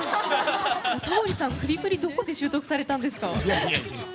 タモリさん、首振りどこで習得されたんですか。